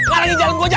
ngalangin jalan gue aja